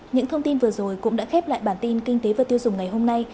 những thông tin vừa rồi cũng đã khép lại bản tin kinh tế và tiêu dùng ngày hôm nay